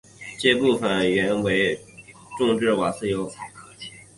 这部分原油通常称为重质瓦斯油。